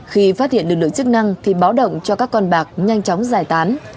khi phát hiện lực lượng chức năng thì báo động cho các con bạc nhanh chóng giải tán